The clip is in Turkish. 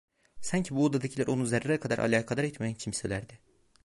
Sanki bu odadakiler onu zerre kadar alakadar etmeyen kimselerdi.